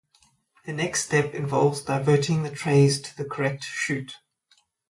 The next step involves diverting the trays to the correct chute.